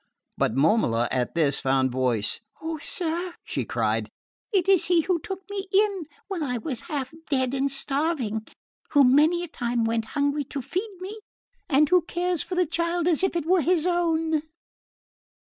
But Momola, at this, found voice. "Oh, sir," she cried, "it is he who took me in when I was half dead and starving, who many a time went hungry to feed me, and who cares for the child as if it were his own!"